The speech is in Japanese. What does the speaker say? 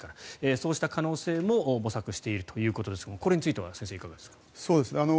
そうした可能性も模索しているということですがこれについては先生、いかがですか？